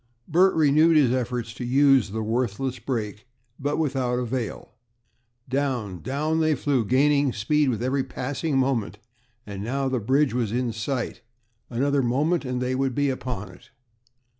Bert renewed his efforts to use the worthless brake, but without avail. Down, down, they flew, gaining speed with every passing moment, and now the bridge was in sight. Another moment, and they would be upon it.